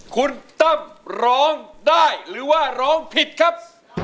คุณตั้มร้องได้หรือว่าร้องผิดครับ